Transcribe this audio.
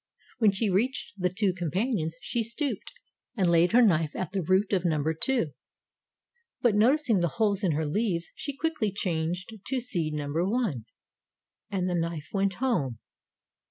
When she reached the two companions she stooped and laid her knife at the root of number Two, but noticing the holes in her leaves she quickly changed to seed number One and the knife went home.